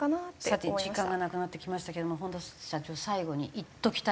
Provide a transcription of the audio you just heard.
さて時間がなくなってきましたけども本多社長最後に言っておきたい事。